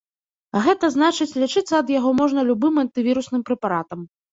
А гэта значыць, лячыцца ад яго можна любым антывірусным прэпаратам.